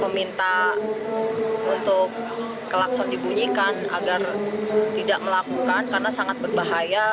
meminta untuk klakson dibunyikan agar tidak melakukan karena sangat berbahaya